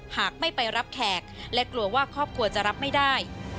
หากไม่ไปรับแขกและกลัวว่าครอบครัวจะรับไม่ได้